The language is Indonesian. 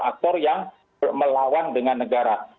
aktor yang melawan dengan negara